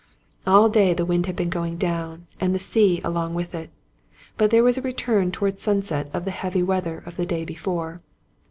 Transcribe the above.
All day the wind had been going down, and the sea along with it ; but there was a return toward sunset of the heavy weather of the day before.